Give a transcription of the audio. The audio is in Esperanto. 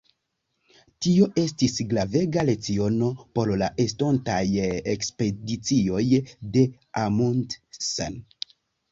Tio estis gravega leciono por la estontaj ekspedicioj de Amundsen.